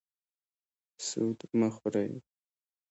سود مه خورئ